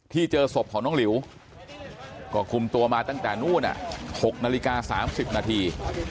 เจอศพของน้องหลิวก็คุมตัวมาตั้งแต่นู่น๖นาฬิกา๓๐นาที